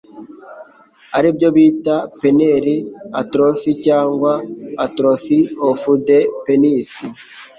ari byo bita Penile Atrophy cyangwa Atrophy of the penis.